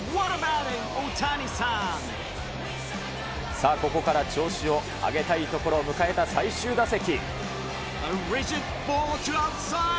さあ、ここから調子を上げたいところ、迎えた最終打席。